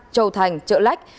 châu thành chợ lách